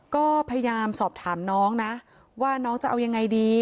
ก็พยายามสอบถามน้องนะว่าน้องจะเอายังไงดี